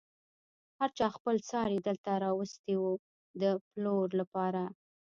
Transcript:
هر چا خپل څاری دلته راوستی و د پلور لپاره.